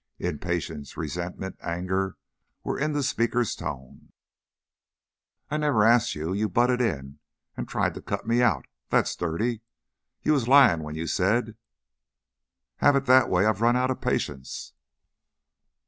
Impatience, resentment, anger were in the speaker's tone. "I never ast you. You butted in tried to cut me out. That's dirty. You was lyin' when you said " "Have it that way. I've run out of patience."